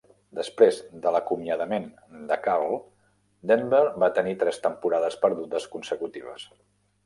Després de l'acomiadament de Karl, Denver va tenir tres temporades perdudes consecutives.